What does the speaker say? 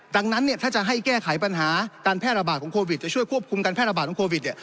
ดังนั้นถ้าจะให้แก้ไขปัญหาการแพร่ระบาดของโควิดจะช่วยควบคุมการแพร่ระบาดของโควิด